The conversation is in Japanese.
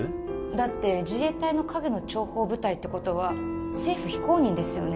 だって自衛隊の陰の諜報部隊ってことは政府非公認ですよね？